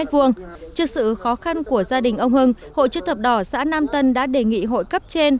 trước sự khó khăn của gia đình ông hưng hội chức thập đỏ xã nam tân đã đề nghị hội cấp trên